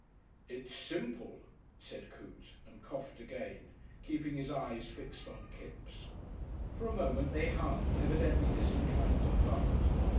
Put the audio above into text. "It's simple," said Coote, and coughed again, keeping his eyes fixed on Kipps. For a moment they hung, evidently disinclined to part.